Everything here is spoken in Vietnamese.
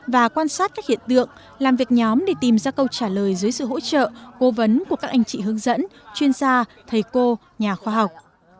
và quan sát các hiện tượng làm việc nhóm để tìm ra câu trả lời dưới sự hỗ trợ cố vấn của các anh chị hướng dẫn chuyên gia thầy cô nhà khoa học